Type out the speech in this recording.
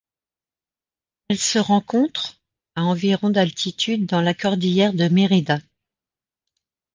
Elle se rencontre à environ d'altitude dans la cordillère de Mérida.